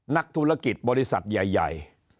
นักธุรกิจบริษัทใหญ่